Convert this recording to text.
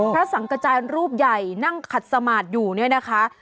พระสังกระจายรูปใหญ่นั่งขัดสมาธิอยู่เนี่ยนะคะ